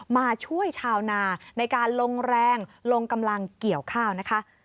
มาช่วยชาวนาในการลงแรงลงกำลังเกี่ยวข้าวนะคะ